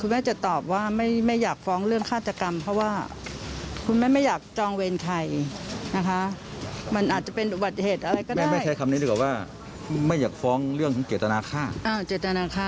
ไม่อยากฟ้องเรื่องการเจตนาฆ่าฆาตกรรมอะไรพวกนี้เนี่ย